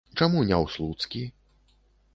Чаму не ў слуцкі?